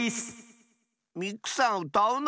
ミクさんうたうの？